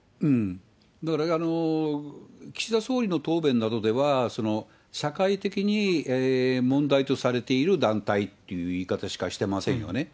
だから岸田総理の答弁などでは、社会的に問題とされている団体っていう言い方しかしてませんよね。